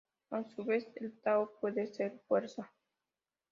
A su vez, el tao puede ser fuerza.